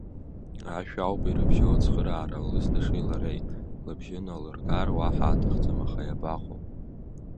Ашә ауп ирыбжьоу ацхыраара лызҭашеи лареи, лыбжьы налыргар уаҳа аҭахӡам, аха иабаҟоу…